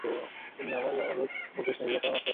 চুনি, ইহা আমার অনুরোধ বা উপদেশ নহে, ইহা তোর মাসিমার আদেশ।